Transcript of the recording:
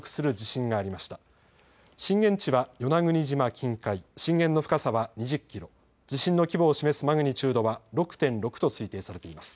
震源地は与那国島近海、震源の深さは２０キロ、地震の規模を示すマグニチュードは６．６と推定されています。